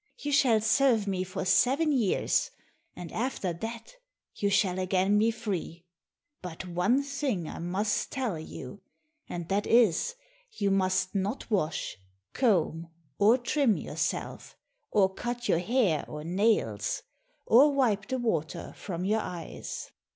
You shall serve me for seven years, and after that you shall again be free. But one thing I must tell you, and that is, you must not wash, comb, or trim yourself, or cut your hair or nails, or wipe the water from your eyes."